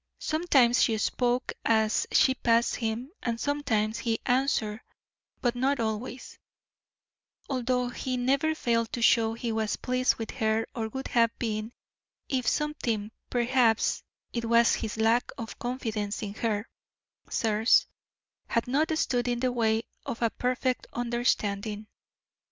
Sometimes she spoke as she passed him, and sometimes he answered, but not always, although he never failed to show he was pleased with her or would have been if something perhaps it was his lack of confidence in her, sirs had not stood in the way of a perfect understanding.